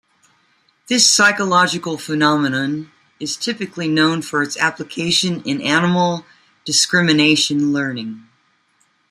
This psychological phenomenon is typically known for its application in animal discrimination learning.